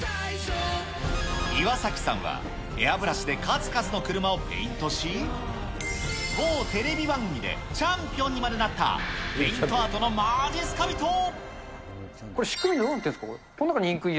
岩崎さんは、エアブラシで数々の車をペイントし、某テレビ番組でチャンピオンにまでなった、これ、仕組みどうなっているのでしょうか。